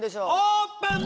オープン！